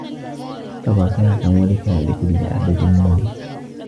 تَبصِرَةً وَذِكرى لِكُلِّ عَبدٍ مُنيبٍ